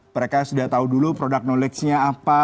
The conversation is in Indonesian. mereka sudah tahu dulu produk knowledge nya apa